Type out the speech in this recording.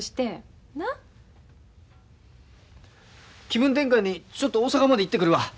気分転換にちょっと大阪まで行ってくるわ。